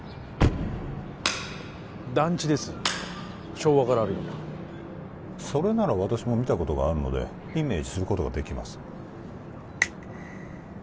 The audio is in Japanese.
昭和からあるようなそれなら私も見たことがあるのでイメージすることができます